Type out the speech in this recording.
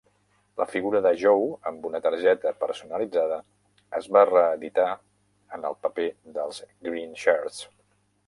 La figura de Joe amb una targeta personalitzada, es va reeditar en el paper dels Greenshirts.